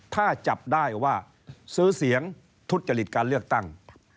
ถ้าจับได้ว่าซื้อเสียงทุจริตการเลือกตั้ง